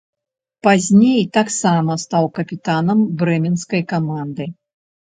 Пазней таксама стаў капітанам брэменскай каманды.